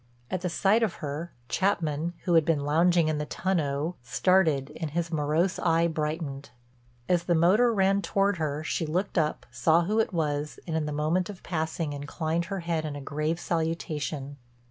At the sight of her Chapman, who had been lounging in the tonneau, started and his morose eye brightened. As the motor ran toward her, she looked up, saw who it was, and in the moment of passing, inclined her head in a grave salutation.